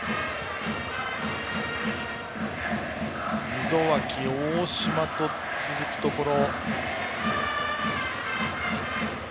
溝脇、大島と続くところ。